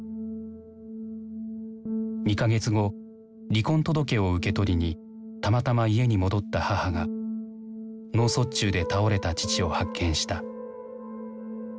２か月後離婚届を受け取りにたまたま家に戻った母が脳卒中で倒れた父を発見した。